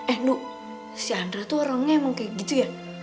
eh ndu si andra tuh orangnya emang kayak gitu ya